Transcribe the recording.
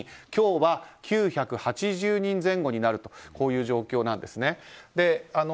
今日は９８０人前後になるという状況なんですね。